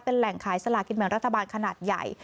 แหล่งขายสลากินแบ่งรัฐบาลขนาดใหญ่